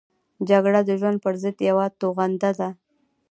جګړه د ژوند پرضد یوه توغنده ده